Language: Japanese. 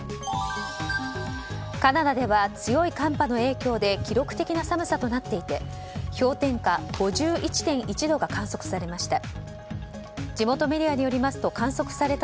カナダでは強い寒波の影響で記録的な寒さとなっていて氷点下５１．１度が観測されました。